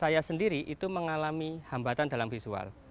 saya sendiri itu mengalami hambatan dalam visual